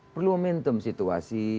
perlu momentum situasi